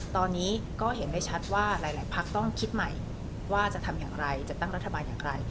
ตอนนี้ก็เห็นได้ชัดว่าหลายพักต้องคิดใหม่ว่าจะทำอย่างไรจะตั้งรัฐบาลอย่างไร